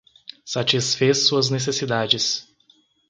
Satisfez suas necessidades